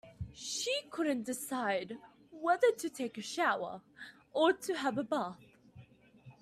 She couldn't decide whether to take a shower or to have a bath.